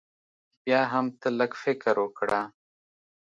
بيا هم تۀ لږ فکر وکړه